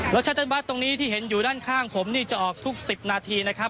ชัตเตอร์บัตรตรงนี้ที่เห็นอยู่ด้านข้างผมนี่จะออกทุก๑๐นาทีนะครับ